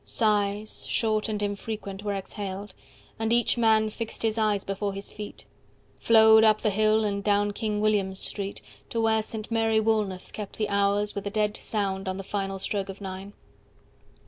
Sighs, short and infrequent, were exhaled, And each man fixed his eyes before his feet. 65 Flowed up the hill and down King William Street, To where Saint Mary Woolnoth kept the hours With a dead sound on the final stroke of nine.